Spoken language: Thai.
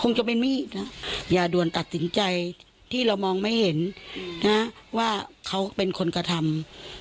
จะเป็นมีดนะอย่าด่วนตัดสินใจที่เรามองไม่เห็นนะว่าเขาเป็นคนกระทำ